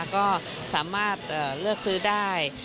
ก็สามารถเลือกซื้อได้